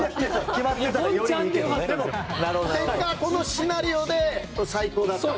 結果、このシナリオで最高だったと。